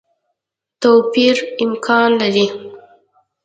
توپیر امکان لري.